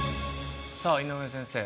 さあ井上先生